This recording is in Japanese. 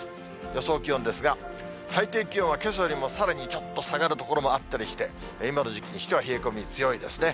予想気温ですが、最低気温はけさよりもさらにちょっと下がる所もあったりして、今の時期にしては冷え込み、強いですね。